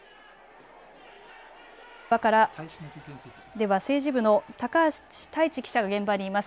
では政治部の高橋太一記者が現場にいます。